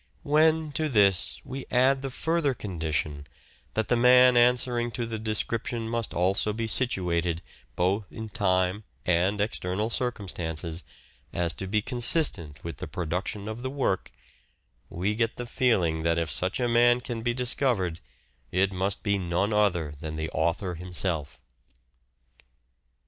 When to this we add the further condition that the man answering to the description must also be situated, both in time and external circumstances, as to be consistent with the production of the work, we get the feeling that if such a man can be discovered it must be none other than the author himself.